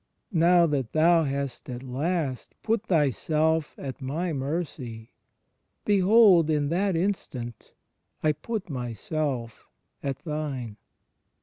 Now that thou hast at last put thyself at my mercy, behold! in that instant I put myself at thine.